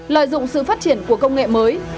lợi dụng sự phát triển của công nghệ mới